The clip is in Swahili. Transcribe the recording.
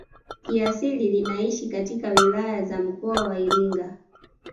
Kiasili linaishi katika wilaya za mkoa wa Iringa